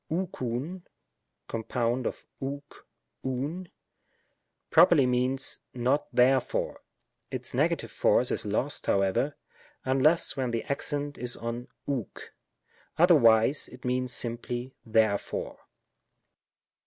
ovxovv (compound of ovx — ovv) properly means, ^^not therefore^ Its negative force is lost, however, unless when the accent is on ov?c. Otherwise it means simply therefore.